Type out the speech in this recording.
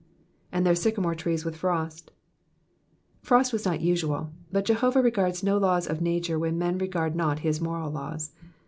^/4(/ their sycoinore trees with frifsW'* Frost was not usual, but Jehovah regards no laws of nature when men regard not his moral laws.